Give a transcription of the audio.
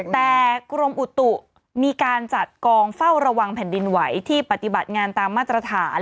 แต่กรมอุตุมีการจัดกองเฝ้าระวังแผ่นดินไหวที่ปฏิบัติงานตามมาตรฐาน